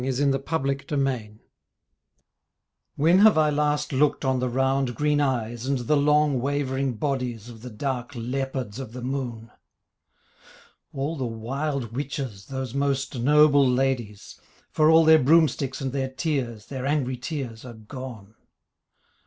LINES WRITTEN IN DEJECTION When have I last looked on The round green eyes and the long wavering bodies Of the dark leopards of the moon? All the wild witches those most noble ladies, For all their broom sticks and their tears, Their angry tears, are gone.